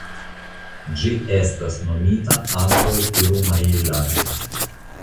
Ĝi estas nomita ankaŭ Tirumajilai.